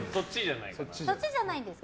そっちじゃないんですね。